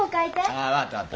ああ分かった分かった。